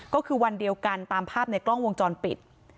ก็คือวันเดียวกันตามภาพในกล้องวงจรปิด